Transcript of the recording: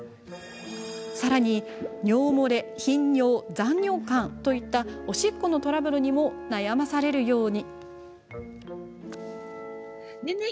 さらに、尿漏れ、頻尿、残尿感といったおしっこのトラブルにも悩まされるように。